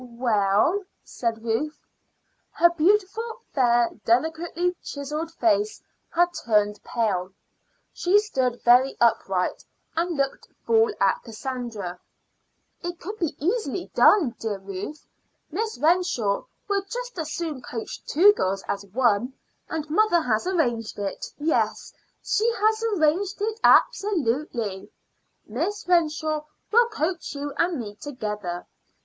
"Well?" said Ruth. Her beautiful, fair, delicately chiselled face had turned pale. She stood very upright, and looked full at Cassandra. "It could be easily done, dear little Ruth. Miss Renshaw would just as soon coach two girls as one, and mother has arranged it. Yes, she has arranged it absolutely. Miss Renshaw will coach you and me together.